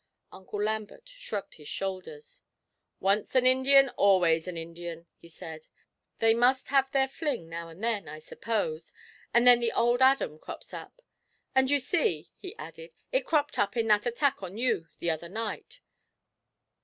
Uncle Lambert shrugged his shoulders: 'Once an Indian always an Indian!' he said. 'They must have their fling now and then, I suppose, and then the old Adam crops up. And you see,' he added, 'it cropped up in that attack on you the other night.